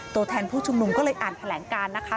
ตัวแทนผู้ชุมนุมก็เลยอ่านแถลงการนะคะ